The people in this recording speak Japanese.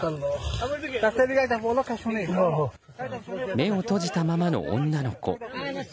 目を閉じたままの女の子。